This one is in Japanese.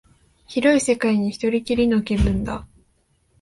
広い世界に一人きりの気分だ